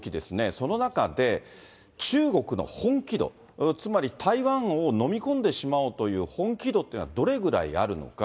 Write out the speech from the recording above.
その中で、中国の本気度、つまり、台湾を飲み込んでしまおうという本気度っていうのは、どれぐらいあるのか。